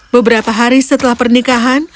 beberapa hari setelah pernikahan